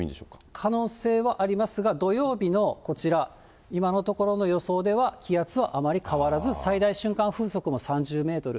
可能性はありますが、土曜日のこちら、今のところの予想では、気圧はあまり変わらず、最大瞬間風速も３０メートル。